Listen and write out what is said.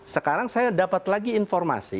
sekarang saya dapat lagi informasi